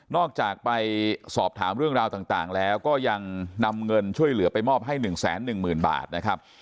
อกจากไปสอบถามเรื่องราวต่างแล้วก็ยังนำเงินช่วยเหลือไปมอบให้๑๑๐๐๐บาทนะครับ